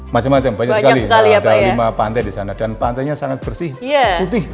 macam macam banyak sekali ya pak ya ada lima pantai di sana dan pantainya sangat banyak ya pak ya banyak sekali ya pak ya